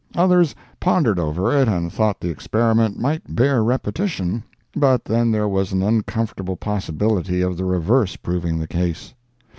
Others pondered over it and thought the experiment might bear repetition, but then there was an uncomfortable possibility of the reverse proving the case.